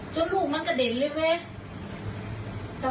จนลูกมันกระเด็นเลยเว้ย